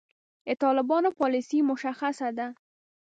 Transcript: د طالبانو پالیسي مشخصه ده.